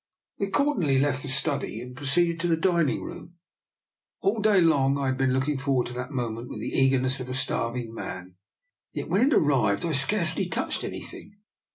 We accordingly left the study and pro ceeded to the dining room. All day long I had been looking forward to that moment with the eagerness of a starving man, yet when it 'arrived I scarcely touched anything.